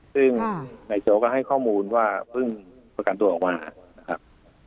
ซึ่งนายโจ๊ก็ให้ข้อมูลว่าเพิ่งประกันตัวออกมานะครับ